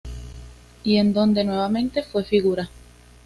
Y en donde nuevamente fue figura.